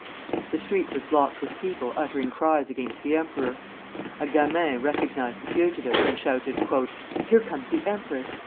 The street was blocked with people uttering cries against the emperor. A gamin recognized the fugitives, and shouted, "Here comes the empress!"